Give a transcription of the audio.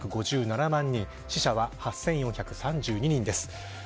３５７万人死者は８４３２人です。